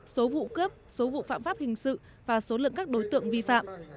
số vụ cướp số vụ phạm pháp hình sự và số lượng các đối tượng vi phạm